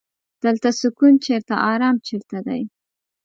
دلته سکون چرته ارام چرته دی.